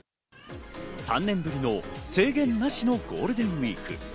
３年ぶりの制限なしのゴールデンウイーク。